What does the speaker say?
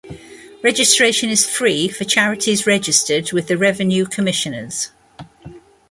Registration is free for charities registered with the Revenue Commissioners.